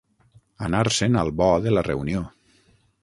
Anar-se'n al bo de la reunió.